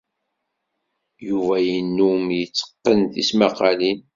Yuba yennum yetteqqen tismaqqalin.